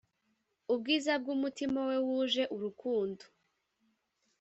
ubwiza bw'umutima we wuje urukundo,